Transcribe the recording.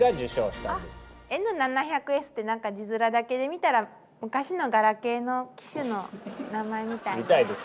Ｎ７００Ｓってなんか字面だけで見たら昔のガラケーの機種の名前みたいね。